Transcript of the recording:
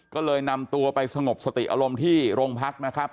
ก็เลยนำตัวไปสงบสติอารมณ์ที่โรงพักนะครับ